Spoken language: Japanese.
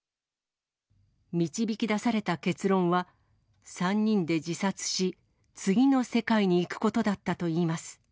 導き出された結論は、３人で自殺し、次の世界に行くことだったといいます。